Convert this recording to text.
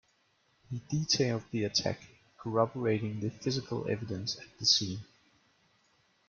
He detailed the attack, corroborating the physical evidence at the scene.